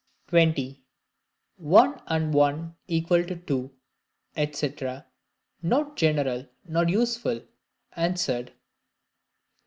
20. One and one equal to Two, &c., not general nor useful answered.